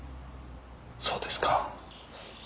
そうですか。